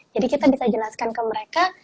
jadi kita bisa jelaskan ke mereka